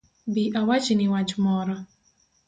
Bi awachni wach moro